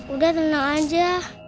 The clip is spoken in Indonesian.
udah tenang aja